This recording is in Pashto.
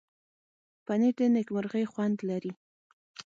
پنېر د نېکمرغۍ خوند لري.